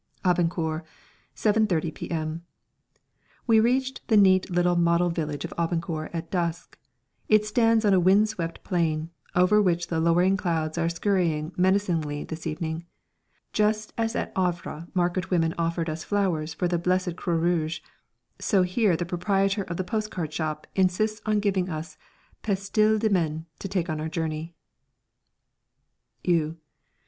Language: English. Abancour, 7.30 p.m. We reached the neat little model village of Abancour at dusk. It stands on a wind swept plain, over which the lowering clouds are scurrying menacingly this evening. Just as at Havre market women offered us flowers "for the blessed Croix Rouge," so here the proprietor of the post card shop insists on giving us pastilles de menthe to take on our journey. _Eu.